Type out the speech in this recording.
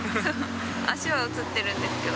足は写ってるんですけど。